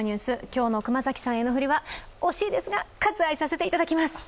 今日の熊崎さんへ辺の振りは惜しいですが、割愛させていただきます。